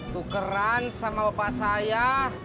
tukeran sama bapak saya